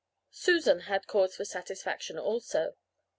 "Susan had cause for satisfaction also.